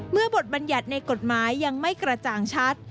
เมื่อบทบรรยัติในกฎหมายยังไม่กระจ่างชัด